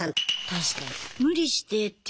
確かに。